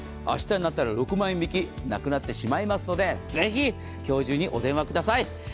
明日になったら６万円引きなくなってしまいますのでぜひ今日中にお電話ください！